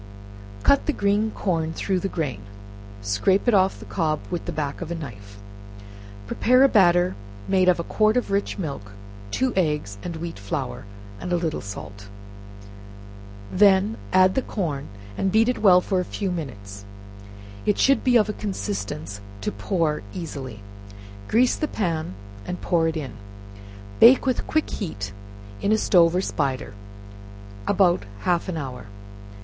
Cut the green corn through the grain, and scrape it off the cob with the back of a knife; prepare a batter made of a quart of rich milk, two eggs, and wheat flour, and a little salt; then add the corn, and beat it well for a few minutes: it should be of a consistence to pour easily; grease the pan, and pour it in; bake with quick heat in a stove or spider, about half an hour.